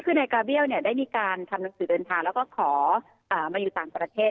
คือนายกาเบี้ยวได้มีการทำหนังสือเดินทางแล้วก็ขอมาอยู่ต่างประเทศ